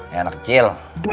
ya anak kecil